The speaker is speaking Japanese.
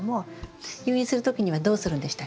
誘引する時にはどうするんでしたっけ？